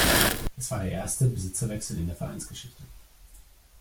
Es war der erste Besitzerwechsel in der Vereinsgeschichte.